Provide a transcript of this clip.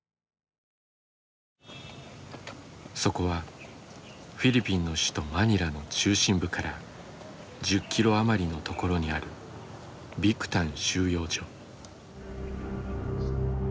そこはフィリピンの首都マニラの中心部から１０キロ余りの所にあるビクタン収容所。